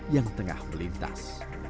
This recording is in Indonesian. yang tengah melintas